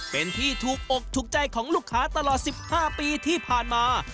เป็นที่ถูกอกถูกใจของลูกค้าตลอด๑๕ปีที่ผ่านมา